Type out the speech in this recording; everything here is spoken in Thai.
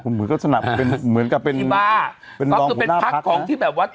เนื้อลูกสนามเหมือนกับปีบ้า